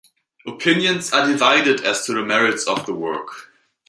Opinions are divided as to the merits of the work.